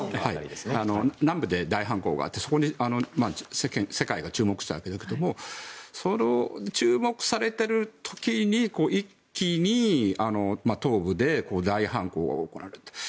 南部で大反攻があってそこに世界が注目していたわけですがその注目されている時に一気に東部で大反攻が行われたと。